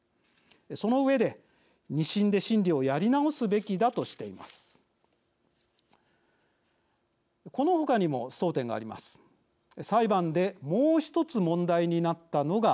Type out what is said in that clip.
その上で、２審で審理をやり直すべきだとしています。